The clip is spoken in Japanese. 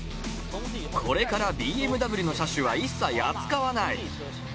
これからＢＭＷの車種は一切扱わない。